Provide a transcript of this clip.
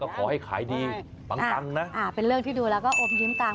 ขอให้ขายดีบางครั้งนะเป็นเรื่องที่ดูแล้วก็โอ้มยิ้มตาม